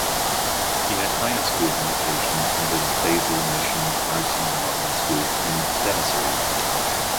He had higher school education in the Basel Mission Parsi Memorial School in Thalassery.